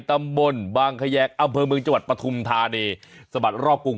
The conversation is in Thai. ตำบลบางคแยกอำเภอเมืองจัวรรดิปฐุมธานีสมัครรอบกรุง